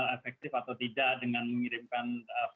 efektif atau tidak dengan mengirimkan